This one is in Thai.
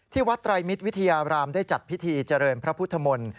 วัดไตรมิตรวิทยารามได้จัดพิธีเจริญพระพุทธมนตร์